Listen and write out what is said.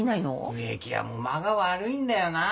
植木屋も間が悪いんだよなぁ。